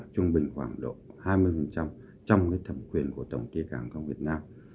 trung bình khoảng độ hai mươi trong cái thẩm quyền của tổng ty cảng hàng không việt nam